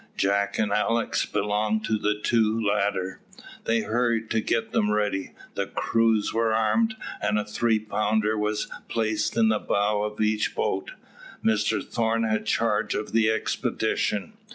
Jack and Alick belonged to the two latter. They hurried to get them ready. The crews were armed, and a three pounder was placed in the bow of each boat. Mr Thorn had charge of the expedition.